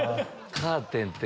カーテンって。